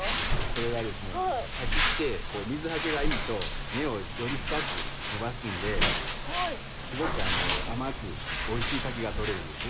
それがですね柿って水はけがいいと根をより深く伸ばすんですごく甘くおいしい柿が取れるんです。